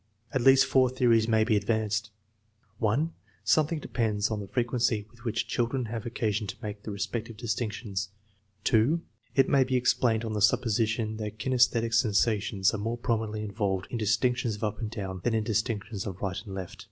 At least four theories may be advanced: (1) Something depends on the frequency with which children have occasion to make the respective distinctions. () It may be explained on the supposition that kinsesthetic sensations are more prominently involved in distinctions of up and down than hi distinctions of right and left.